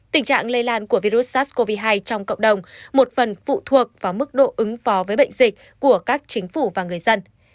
tình trạng lây lan của virus sars cov hai trong cộng đồng một phần phụ thuộc vào mức độ ứng phó với bệnh dịch của các chính phủ và người dân